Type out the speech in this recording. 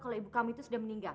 kalau ibu kami itu sudah meninggal